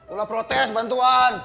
udah protes bantuan